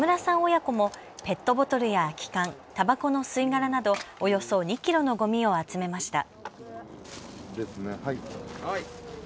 親子もペットボトルや空き缶、たばこの吸い殻などおよそ２キロのごみを集めました。